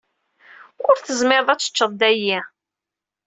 Ur tezmireḍ ad teččeḍ dayi.